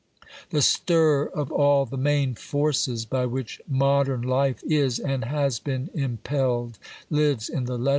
,,. The stir of all tlie main forces by which modern life is and has been impelled, lives in the \QX\.